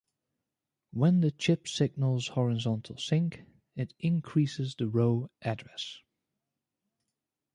When the chip signals horizontal sync it increases the row address.